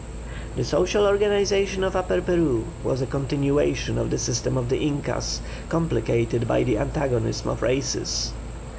The social organization of Upper Peru was a continuation of the system of the Incas, complicated by the antagonism of races.